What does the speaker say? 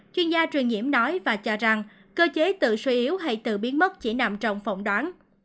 chuyên gia truyền nhiễm nói và cho rằng cơ chế tự suy yếu hay tự biến mất chỉ nằm trong phỏng đoán